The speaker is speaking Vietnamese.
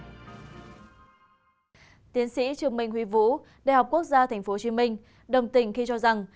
tiến sĩ trương minh huy vũ đại học quốc gia tp hcm đồng tình khi cho rằng